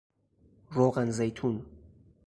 روغن زیتون